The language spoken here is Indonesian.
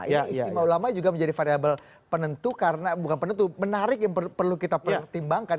ini istimewa ulama juga menjadi variable penentu karena bukan penentu menarik yang perlu kita pertimbangkan